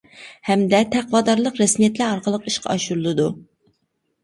ھەمدە تەقۋادارلىق رەسمىيەتلەر ئارقىلىق ئىشقا ئاشۇرۇلىدۇ.